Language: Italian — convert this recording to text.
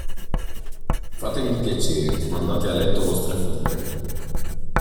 Fatemi il piacere, mandate a letto vostra figlia.